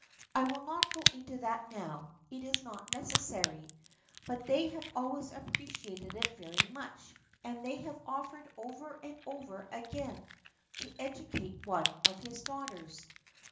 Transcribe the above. I will not go into that now, it is not necessary, but they have always appreciated it very much, and they have offered over and over again to educate one of his daughters.